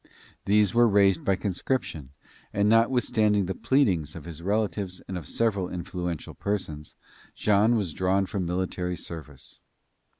These were raised by conscription, and notwithstanding the pleadings of his relatives and of several influential persons, Jean was drawn for military service.